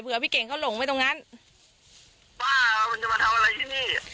เพื่อพี่เก่งเขาหลงไปตรงนั้นว่ามันจะมาทำอะไรที่นี่